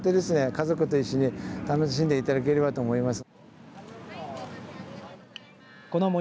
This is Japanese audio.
家族と一緒に楽しんでいただければと思います。